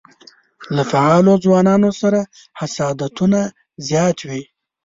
له فعالو ځوانانو سره حسادتونه زیات وي.